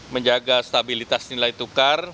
menjaga stabilitas nilai tukar